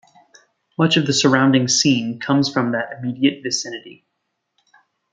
Much of the surrounding scene comes from that immediate vicinity.